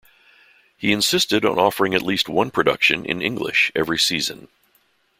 He insisted on offering at least one production in English every season.